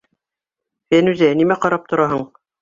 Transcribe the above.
Фәнүзә, нимә ҡарап тораһың?